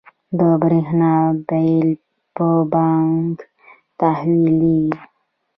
د بریښنا بیل په بانک تحویلیږي؟